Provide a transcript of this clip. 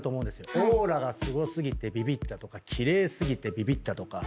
オーラがすご過ぎてビビったとか奇麗過ぎてビビったとか。